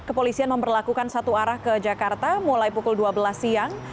kepolisian memperlakukan satu arah ke jakarta mulai pukul dua belas siang